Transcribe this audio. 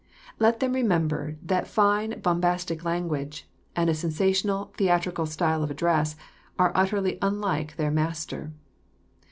Let them remember that fine bom bastic language, and a sensational, theatrical style of address, are utterly unlike their Master.